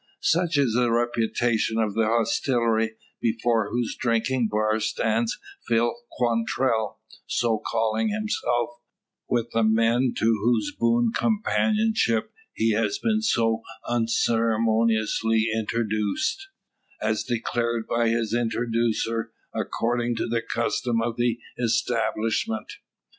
Such is the reputation of the hostelry, before whose drinking bar stands Phil Quantrell so calling himself with the men to whose boon companionship he has been so unceremoniously introduced; as declared by his introducer, according to the custom of the establishment.